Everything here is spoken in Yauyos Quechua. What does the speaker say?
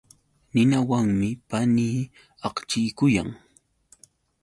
Ninawanmi panii akchikuyan.